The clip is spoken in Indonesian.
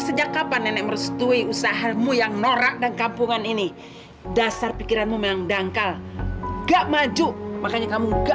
sepertinya aku memang betul betul harus melupakan kamu wi